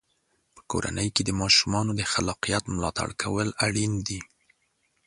په کورنۍ کې د ماشومانو د خلاقیت ملاتړ کول اړین دی.